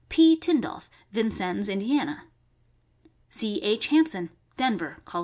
P. Tin dolph, Vincennes, Ind.; C. H. Hampson, Denver, Colo.